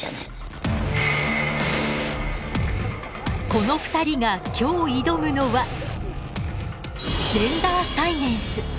この２人が今日挑むのはジェンダーサイエンス。